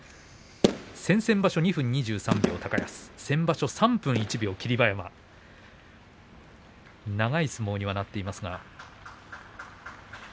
先々場所は２分２３秒先場所３分１秒長い相撲にはなっています。